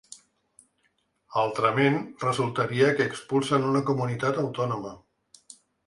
Altrament, resultaria que expulsen una comunitat autònoma.